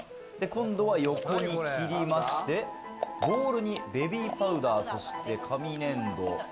今度は横に切りまして、ボウルにベビーパウダー、紙粘土。